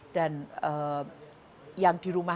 dan yang di rumah